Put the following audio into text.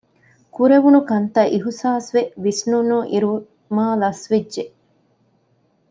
ކުރެވުނުކަންތައް އިހުސާސްވެ ވިސްނުނުއިރު މާލަސްވެއްޖެ